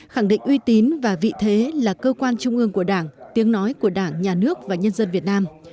khẳng định uy tín và vị thế là cơ quan trung ương của đảng tiếng nói của đảng nhà nước và nhân dân việt nam